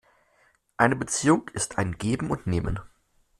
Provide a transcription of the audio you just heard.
Eine Beziehung ist ein Geben und Nehmen.